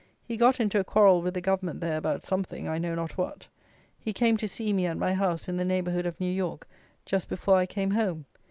He got into a quarrel with the Government there about something, I know not what. He came to see me, at my house in the neighbourhood of New York, just before I came home.